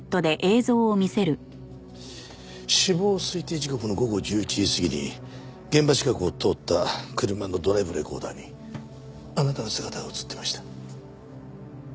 死亡推定時刻の午後１１時過ぎに現場近くを通った車のドライブレコーダーにあなたの姿が映ってました。